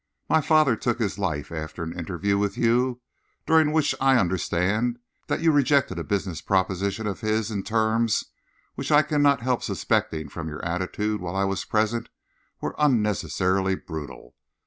My father took his life after an interview with you, during which I understand that you rejected a business proposition of his in terms which I cannot help suspecting, from your attitude while I was present, were unnecessarily brutal.